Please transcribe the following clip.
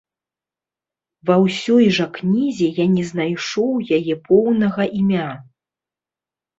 Ва ўсёй жа кнізе я не знайшоў яе поўнага імя.